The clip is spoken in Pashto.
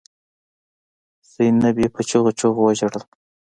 زينبې په چيغو چيغو وژړل.